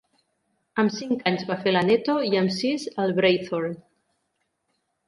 Amb cinc anys va fer l'Aneto, i amb sis el Breithorn.